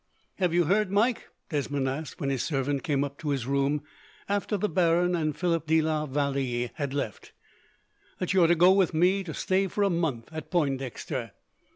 "Have you heard, Mike," Desmond asked, when his servant came up to his room, after the baron and Philip de la Vallee had left, "that you are to go with me, to stay for a month, at Pointdexter?"